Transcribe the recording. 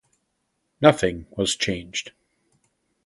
Nothing was changed.